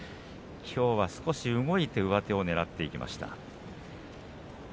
きょうは少し動いて上手をねらいました。